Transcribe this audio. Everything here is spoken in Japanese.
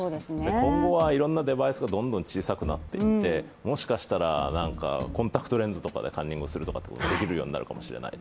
今後はいろんなデバイスがどんどん小さくなっていって、もしかしたらコンタクトレンズとかでカンニングすることもできるようになってくるかもしれない。